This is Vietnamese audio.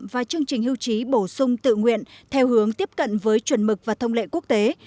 và chương trình hưu trí bổ sung tự nguyện theo hướng tiếp cận với chuẩn mực và thông lệ quốc tế